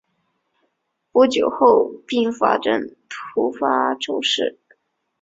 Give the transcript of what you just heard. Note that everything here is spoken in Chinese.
但不久后并发症突发骤逝。